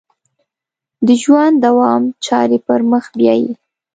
د ژوند دوام چارې پر مخ بیایي.